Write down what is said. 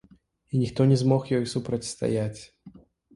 І ніхто не змог ёй супрацьстаяць.